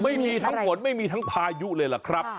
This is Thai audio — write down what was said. ไม่มีทั้งฝนไม่มีทั้งพายุเลยล่ะครับ